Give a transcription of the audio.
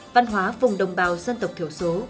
văn hóa vùng đồng bào dân tộc thiểu số